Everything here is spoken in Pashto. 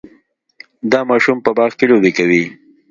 دا ماشوم په باغ کې لوبې کوي.